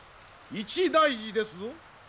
一大事ですぞ。